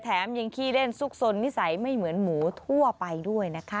แถมยังขี้เล่นซุกสนนิสัยไม่เหมือนหมูทั่วไปด้วยนะคะ